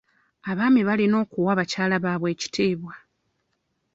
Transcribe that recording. Abaami balina okuwa bakyala baabwe ekitiibwa.